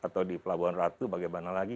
atau di pelabuhan ratu bagaimana lagi